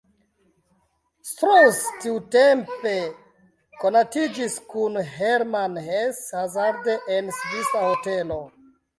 Strauss tiutempe konatiĝis kun Hermann Hesse hazarde en svisa hotelo.